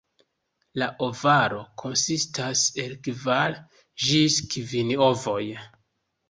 La ovaro konsistas el kvar ĝis kvin ovoj.